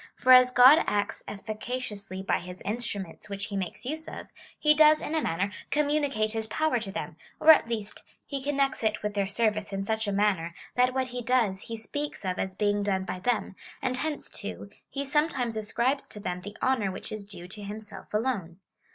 For as God acts efficaciously by his instru ments which he makes use of, he does, in a manner, com municate his power to them, or, at least, he connects it with their service in such a manner, that what he does he speaks of as being done by them, and hence, too, he sometimes ascribes to them the honour which is due to himself alone.